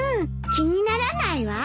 気にならないわ。